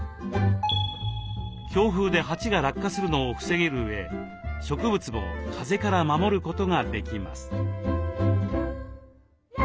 強風で鉢が落下するのを防げるうえ植物も風から守ることができます。